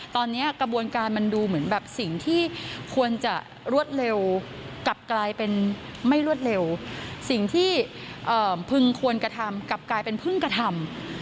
ตอนนี้กระบวนการมันดูเหมือนแบบสิ่งที่ควรจะรวดเร็วกลับกลายเป็นไม่รวดเร็วสิ่งที่พึงควรกระทำกลับกลายเป็นพึ่งกระทำ